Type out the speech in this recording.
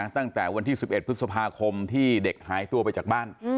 ตั้งแต่วันที่๑๑พฤษภาคมที่เด็กหายตัวไปจากบ้าน